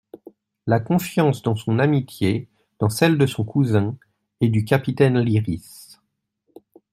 La confiance dans son amitié, dans celle de son cousin, et du capitaine Lyrisse.